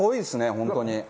本当に。